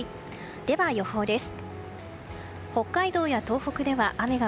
では、予報です。